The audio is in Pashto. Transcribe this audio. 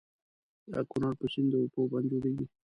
د کنړ په سيند د اوبو بند جوړيږي.